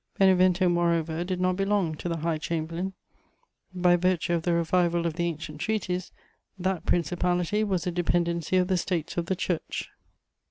Benevento, moreover, did not belong to the High Chamberlain: by virtue of the revival of the ancient treaties, that principality was a dependency of the States of the Church.